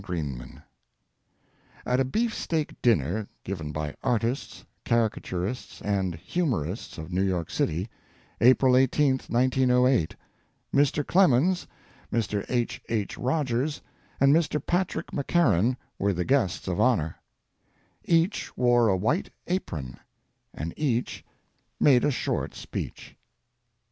COURAGE At a beefsteak dinner, given by artists, caricaturists, and humorists of New York City, April 18, 1908, Mr. Clemens, Mr. H. H. Rogers, and Mr. Patrick McCarren were the guests of honor. Each wore a white apron, and each made a short speech.